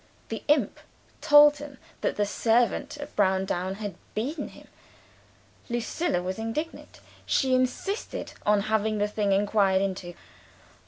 The imp told them that the servant at Browndown had beaten him. Lucilla was indignant. She insisted on having the thing inquired into.